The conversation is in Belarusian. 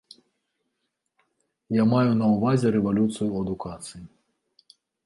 Я маю на ўвазе рэвалюцыю ў адукацыі.